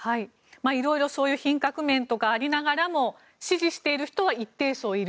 いろいろ品格面とかありながらも支持している人は一定層いる。